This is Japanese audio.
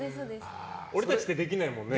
俺たちじゃできないもんね。